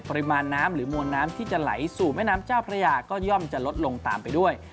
ปริมาณน้ำหรือมวลน้ำที่จะไหลสู่แม่น้ำเจ้าพระยาก็ย่อมจะลดลงตามไปด้วย